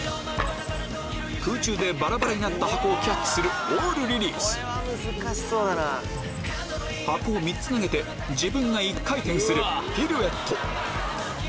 空中でバラバラになった箱をキャッチするオールリリース箱を３つ投げて自分が１回転するピルエット